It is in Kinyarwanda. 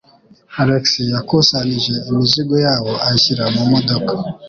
Alex yakusanyije imizigo yabo ayishyira mu modoka.